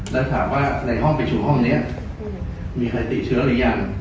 แล้วถามว่าในห้องประชุมห้องนี้มีใครติดเชื้อหรือยัง